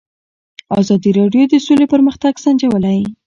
ازادي راډیو د سوله پرمختګ سنجولی.